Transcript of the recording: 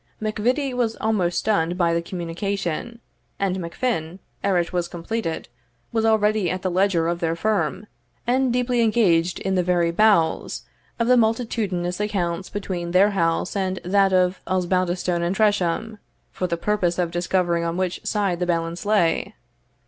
MacVittie was almost stunned by the communication; and MacFin, ere it was completed, was already at the ledger of their firm, and deeply engaged in the very bowels of the multitudinous accounts between their house and that of Osbaldistone and Tresham, for the purpose of discovering on which side the balance lay.